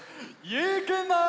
ゆうくん！